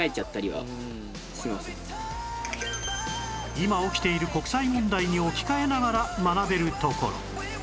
今起きている国際問題に置き換えながら学べるところ